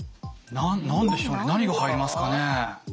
何でしょうね何が入りますかね？